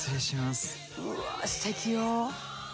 うわすてきよ。